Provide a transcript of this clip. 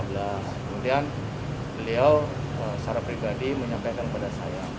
kemudian beliau secara pribadi menyampaikan kepada saya